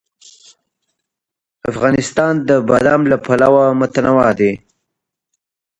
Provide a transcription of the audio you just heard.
افغانستان د بادام له پلوه متنوع دی.